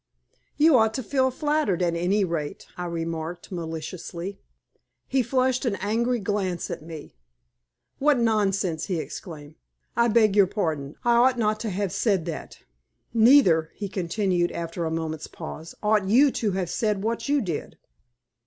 "You ought to feel flattered, at any rate," I remarked, maliciously. He flushed an angry glance at me. "What nonsense!" he exclaimed. "I beg your pardon, I ought not to have said that. Neither," he continued, after a moment's pause, "ought you to have said what you did."